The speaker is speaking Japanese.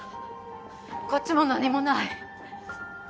こっちも何もない。